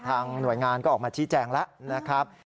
ทางหน่วยงานก็ออกมาชี้แจงแล้ว